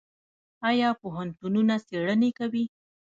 آیا پوهنتونونه څیړنې کوي؟